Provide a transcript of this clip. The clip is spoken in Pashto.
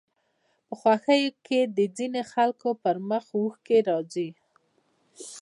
په خوښيو کې د ځينو خلکو پر مخ اوښکې راځي